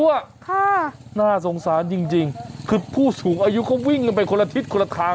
ค่ะน่าสงสารจริงคือผู้สูงอายุเขาวิ่งกันไปคนละทิศคนละทาง